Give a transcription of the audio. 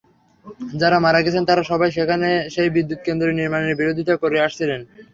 যাঁরা মারা গেছেন, তাঁরা সবাই সেখানে সেই বিদ্যুৎকেন্দ্র নির্মাণের বিরোধিতা করে আসছিলেন।